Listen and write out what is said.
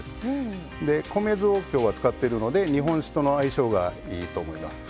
で米酢を今日は使ってるので日本酒との相性がいいと思います。